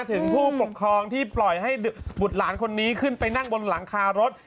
ถึงผู้ปกครองที่ปล่อยให้บุตรหลานคนนี้ขึ้นไปนั่งบนหลังคารถ